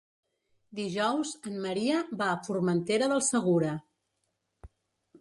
Dijous en Maria va a Formentera del Segura.